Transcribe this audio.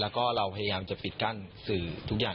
แล้วก็เราพยายามจะปิดกั้นสื่อทุกอย่าง